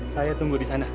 saya tunggu disana